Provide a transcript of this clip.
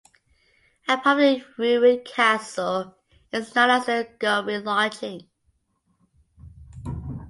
A part of the ruined castle is known as the Gowrie lodging.